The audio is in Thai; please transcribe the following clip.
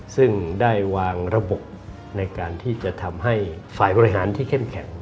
ซึ่งได้วางระบบในการที่จะทำให้ฝ่ายบริหารที่เข้มแข็ง